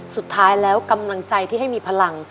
สุดท้ายแล้วกำลังใจที่ให้มีพลัง